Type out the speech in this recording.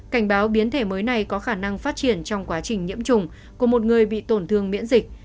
cảnh báo biến thể mới này có khả năng phát triển trong quá trình nhiễm trùng của một người bị tổn thương miễn dịch